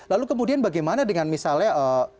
lalu kemudian bagaimana dengan misalnya